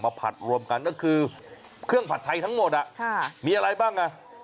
ผัดรวมกันก็คือเครื่องผัดไทยทั้งหมดมีอะไรบ้างอ่ะ